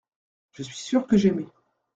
Je suis sûr que j’aimai.